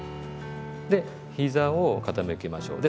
でひざを傾けましょう。